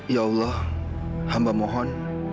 ya allah hamba mohon